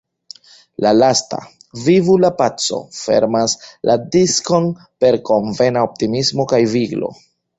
La lasta, Vivu la paco fermas la diskon per konvena optimismo kaj viglo.